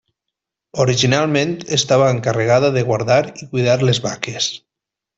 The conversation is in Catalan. Originalment estava encarregada de guardar i cuidar les vaques.